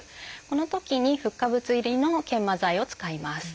このときにフッ化物入りの研磨剤を使います。